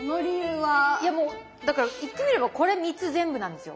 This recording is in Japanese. いやもうだから言ってみればこれ３つ全部なんですよ。